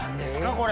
これ。